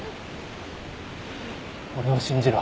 俺を信じろ。